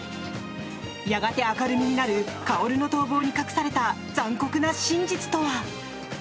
やがて明るみになる薫の逃亡に隠された残酷な真実とは？